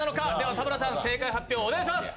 田村さん、正解発表お願いします。